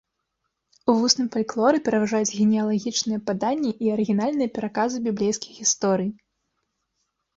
У вусным фальклоры пераважаюць генеалагічныя паданні і арыгінальныя пераказы біблейскіх гісторый.